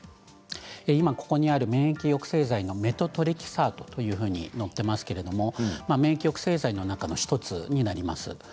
今、ここにある免疫抑制剤のメトトレキサートと載っていますが免疫抑制剤の中の１つになります。